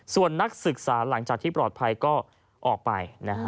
ส่วนนักศึกษาหลังจากที่ปลอดภัยก็ออกไป